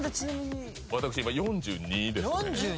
今４２ですね